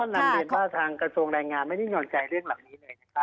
นางเดชน์บ้าทางกระทรวงแรงงามไม่ได้หย่อนใจเรื่องเหล่านี้เลย